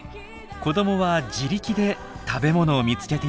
子どもは自力で食べ物を見つけていました。